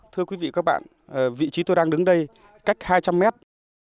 thưa quý vị và các bạn vị trí tôi đang đứng đây cách hai trăm linh mét